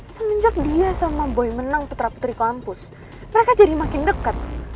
semenjak dia sama boy menang putra putri kampus mereka jadi makin dekat